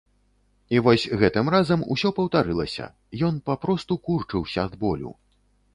І вось гэтым разам усё паўтарылася, ён папросту курчыўся ад болю.